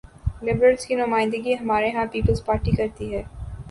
Liberals کی نمائندگی ہمارے ہاں پیپلز پارٹی کرتی ہے۔